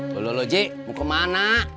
tolong lo ji mau kemana